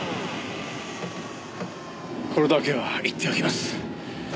これだけは言っておきます。